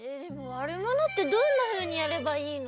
ワルモノってどんなふうにやればいいの？